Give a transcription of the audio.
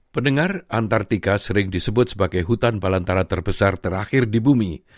pendengar antartika sering disebut sebagai hutan balantara terbesar terakhir di bumi